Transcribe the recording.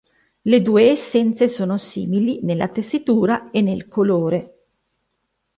Le due essenze sono simili nella tessitura e nel colore.